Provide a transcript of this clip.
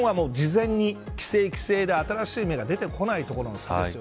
日本は事前に規制規制で新しい芽が出てこないとされてます。